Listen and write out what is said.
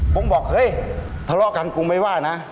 ผมบอกเฮ้ยทะเลาะกันกูไม่ว่านะ